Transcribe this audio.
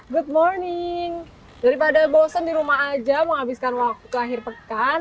good morning daripada bosen di rumah aja menghabiskan waktu akhir pekan